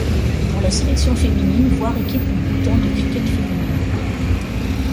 Pour la sélection féminine, voir Équipe du Bhoutan de cricket féminine.